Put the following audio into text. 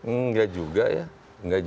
enggak juga ya